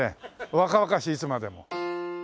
若々しいいつまでも。